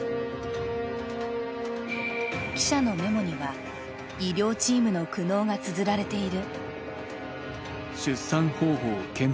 記者のメモには医療チームの苦悩がつづられている。